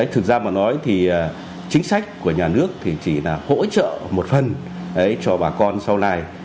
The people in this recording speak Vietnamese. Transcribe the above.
thực ra mà nói thì chính sách của nhà nước thì chỉ là hỗ trợ một phần cho bà con sau này